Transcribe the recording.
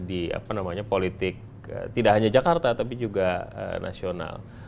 di politik tidak hanya jakarta tapi juga nasional